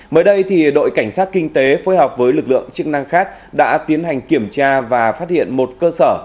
mới đây đội cảnh sát kinh tế phối hợp với lực lượng chức năng khác đã tiến hành kiểm tra và phát hiện một cơ sở